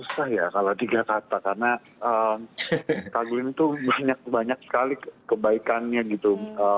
susah ya kalau tiga kata karena kak glenn itu banyak sekali kebaikannya gitu